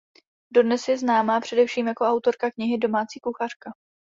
Dodnes je známa především jako autorka knihy "Domácí kuchařka".